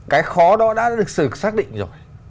cái khó đó đã được xác định rồi